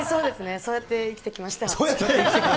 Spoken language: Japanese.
そうやって生きてきた。